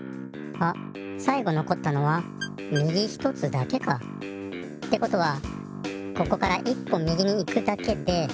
あっさい後のこったのはみぎ一つだけか。ってことはここから一歩みぎに行くだけで。